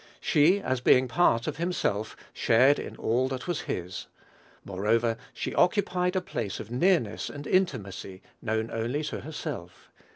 She, as being part of himself, shared in all that was his. Moreover, she occupied a place of nearness and intimacy known only to herself.